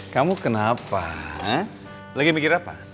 kamu kenapa lagi mikir apa